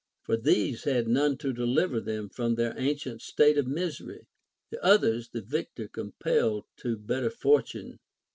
For these had none to deliver them from their ancient state of misery ; the others the victor compelled to better fortune.